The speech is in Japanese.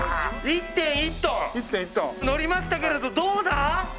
１．１ｔのりましたけれどどうだ？